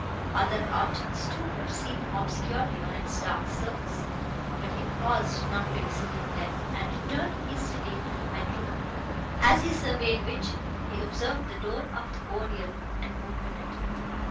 Other objects too were seen obscurely on its dark surface, but he paused not to examine them, and returned hastily into the bedroom, as he surveyed which, he observed the door of the oriel, and opened it.